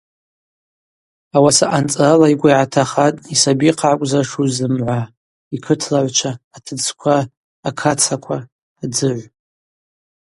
Ауаса анцӏрала йгвы йгӏатахатӏ йсабихъа гӏакӏвзыршуз зымгӏва: йкытлагӏвчва, атыдзква, акацаква, адзыгӏв.